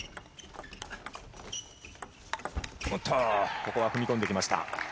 ここは踏み込んできました。